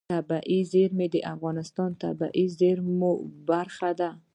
طبیعي زیرمې د افغانستان د طبیعي زیرمو برخه ده.